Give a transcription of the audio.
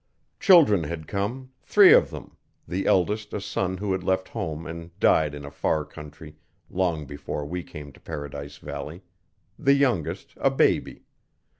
Children had come, three of them the eldest a son who had left home and died in a far country long before we came to Paradise Valley the youngest a baby.